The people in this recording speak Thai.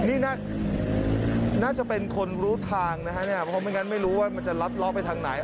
นี่น่าจะเป็นคนรู้ทางนะครับเพราะไม่รู้ว่ามันจะล็อตไปทางไหน